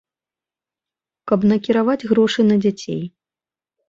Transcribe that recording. Каб накіраваць грошы на дзяцей.